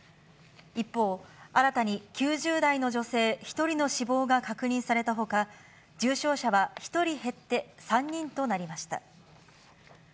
一方、新たに９０代の女性１人の死亡が確認されたほか、重症者は１人減って３人となりました。